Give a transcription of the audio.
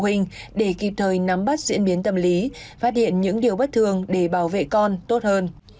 phụ huynh để kịp thời nắm bắt diễn biến tâm lý phát hiện những điều bất thường để bảo vệ con tốt hơn